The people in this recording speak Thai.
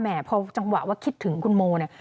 พอจังหวะว่าคิดถึงคุณโมเนี่ย